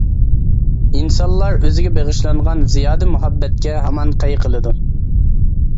ئىنسانلار ئۆزىگە بېغىشلانغان زىيادە مۇھەببەتكە ھامان قەي قىلىدۇ.